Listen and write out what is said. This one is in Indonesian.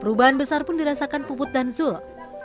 perubahan besar pun dirasakan puput dan zul